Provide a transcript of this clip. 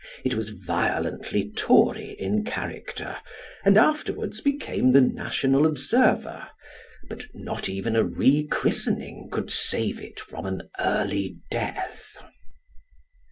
It was violently Tory in character, and afterwards became The National Observer, but not even a re christening could save it from an early death.